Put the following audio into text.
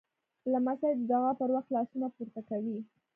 لمسی د دعا پر وخت لاسونه پورته کوي.